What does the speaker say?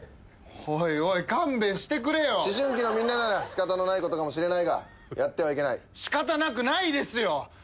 おいおい勘弁してくれよ思春期のみんなならしかたのないことかもしれないがやってはいけないしかたなくないですよ！